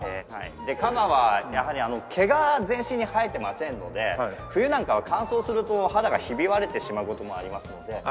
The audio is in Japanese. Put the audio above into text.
でカバはやはり毛が全身に生えてませんので冬なんかは乾燥すると肌がひび割れてしまう事もありますので。